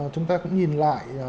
chúng ta cũng nhìn lại